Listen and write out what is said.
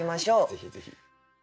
ぜひぜひ。